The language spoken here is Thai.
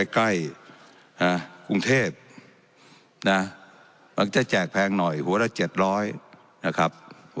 กรุงเทพมักจะแจกแพงหน่อยหัวละ๗๐๐นะครับ